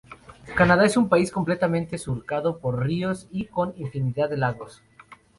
Canadá es un país completamente surcado por ríos y con infinidad de lagos.